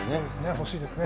欲しいですね。